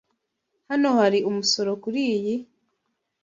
Hano hari umusoro kuriyi?